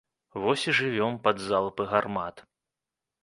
Вось і жывём пад залпы гармат.